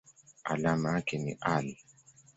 Alama yake ni Al.